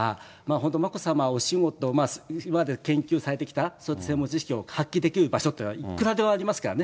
本当、眞子さま、お仕事、今まで研究されてきた専門知識を発揮できる場所っていうのはいくらでもありますからね。